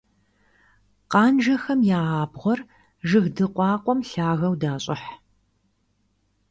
Къанжэхэм я абгъуэр жыг дыкъуакъуэм лъагэу дащӀыхь.